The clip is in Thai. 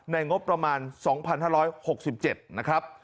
ในงบประมาณ๒๕๖๗บาทนะครับ